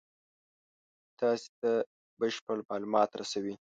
تاسې ته بشپړ مالومات رسوي.